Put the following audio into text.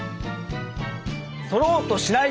そろうとしない！